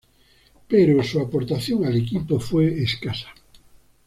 Pero su aportación al equipo fue escasa.